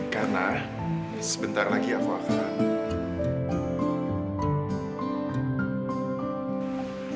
karena sebentar lagi aku akan